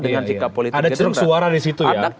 dengan sikap politik ada curug suara di situ ya